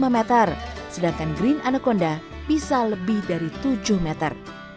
lima meter sedangkan green anaconda bisa lebih dari tujuh meter